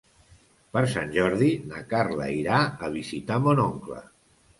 Per Sant Jordi na Carla irà a visitar mon oncle.